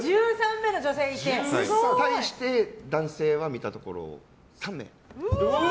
それに対して男性は見たところ３名。